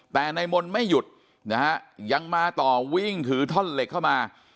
แต่นายมนต์ไม่หยุดนะฮะยังมาต่อวิ่งถือท่อนเหล็กเข้ามา